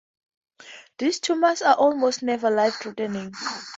These tumors are almost never life threatening.